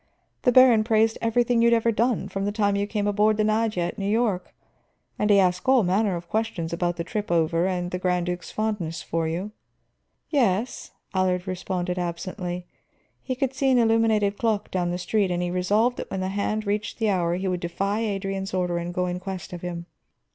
The baron praised everything you had ever done, from the time you came aboard the Nadeja at New York. And he asked all manner of questions about the trip over and the Grand Duke's fondness for you." "Yes?" Allard responded absently. He could see an illuminated clock down the street, and he resolved that when the hand reached the hour he would defy Adrian's order and go in quest of him.